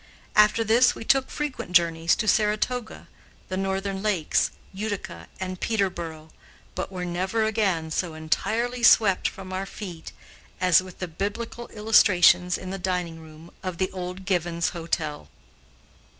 After this we took frequent journeys to Saratoga, the Northern Lakes, Utica, and Peterboro, but were never again so entirely swept from our feet as with the biblical illustrations in the dining room of the old Given's Hotel.